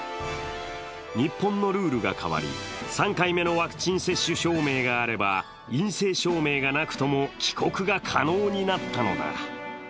日本のルールが変わり３回目のワクチン接種証明があれば陰性証明がなくとも帰国が可能になったのだ。